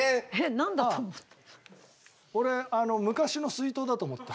俺あの昔の水筒だと思った。